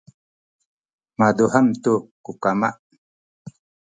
mazuhem tu ku kama